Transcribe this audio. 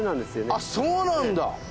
あっそうなんだ。